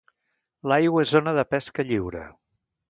L'aigua és zona de pesca lliure.